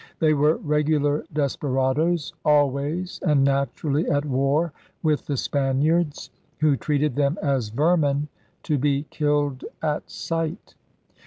They were regular desper adoes, always, and naturally, at war with the Spaniards, who treated them as vermin to be killed at sight.